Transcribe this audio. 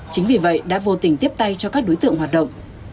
chính vì vậy đã vô tình tiếp tay cho các đối tượng hoạt động